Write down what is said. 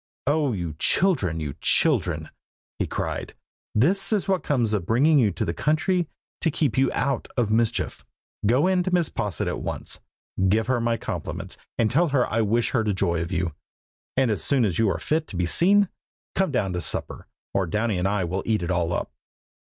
"Oh! you children, you children!" he cried. "This is what comes of bringing you to the country to keep you out of mischief. Go in to Mrs. Posset at once, give her my compliments, and tell her I wish her joy of you. And as soon as you are fit to be seen, come down to supper, or Downy and I will eat it all up."